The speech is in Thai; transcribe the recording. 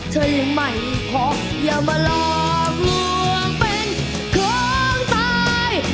เธอยังไม่พออย่ามาลองห่วงเป็นของตาย